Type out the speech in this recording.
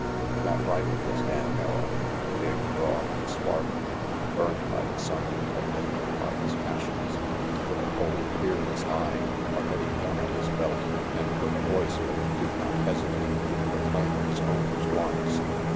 That rider was Dan Merrill, big, broad and swarthy, 50 RANGY PETE burned by the sun and evidently by his passions, with a cold, fearless eye, a ready gun at his belt, and with a voice which did not hesitate to proclaim its owner's wants.